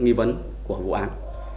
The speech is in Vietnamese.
nghi vấn của vụ án